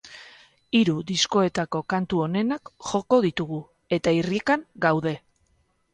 Hiru diskoetako kantu onenak joko ditugu, eta irrikan gaude!